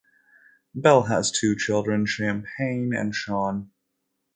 Bell has two children, Champagne and Sean.